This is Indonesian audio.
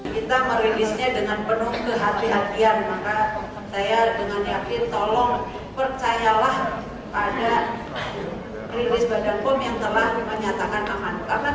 kita merilisnya dengan penuh kehatian kehatian maka saya dengan yakin tolong percayalah pada